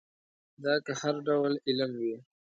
دا که هر ډول علم وي.